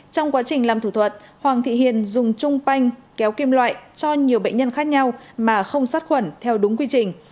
trong quá trình làm thủ thuật hoàng thị hiền dùng chung quanh kéo kim loại cho nhiều bệnh nhân khác nhau mà không sát khuẩn theo đúng quy trình